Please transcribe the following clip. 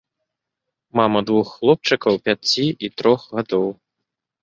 Мама двух хлопчыкаў пяці і трох гадоў.